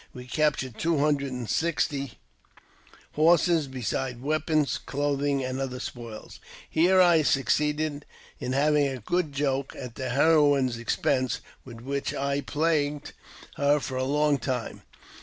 We captured two hundred and sixty horses, besides weapons, clothing, and other spoils. Here I succeeded in having a good joke at the heroine's expense, with which I plagued her for a long time.